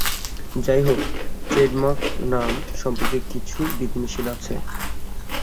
যাইহোক, ট্রেডমার্ক নাম সম্পর্কে কিছু বিধিনিষেধ আছে।